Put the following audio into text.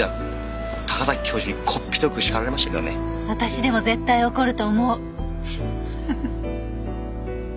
私でも絶対怒ると思う。